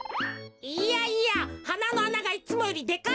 いやいやはなのあながいつもよりでかいぞ。